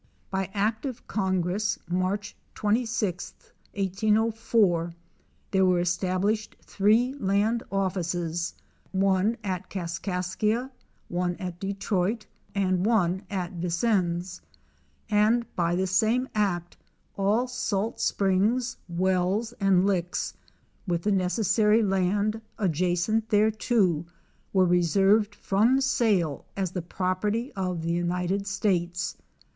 By Act of Congress, March 26, lb04, there were established three land offices— one at Kaskaskia, one at Detroit, and one at Vincennes, and by the same act all salt springs, wells, and licks, with the necessary land adjacent thereto were reserved from sale as the property of the United States.